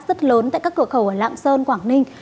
rất lớn tại các cửa khẩu ở lạng sơn quảng ninh